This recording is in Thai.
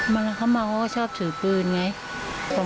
แม่ของแม่แม่ของแม่